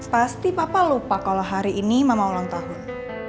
pasti papa lupa kalau hari ini mama ulang tahun